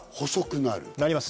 なります。